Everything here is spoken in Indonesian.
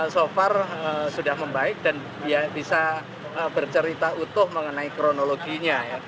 so far sudah membaik dan dia bisa bercerita utuh mengenai kronologinya